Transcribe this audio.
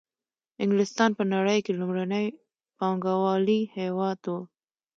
انګلستان په نړۍ کې لومړنی پانګوالي هېواد وو